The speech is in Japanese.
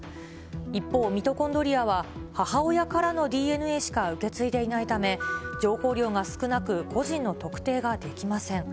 一方、ミトコンドリアは母親からのＤＮＡしか受け継いでいないため、情報量が少なく、個人の特定ができません。